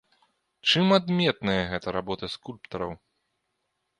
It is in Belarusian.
Чым адметная гэта работа скульптараў?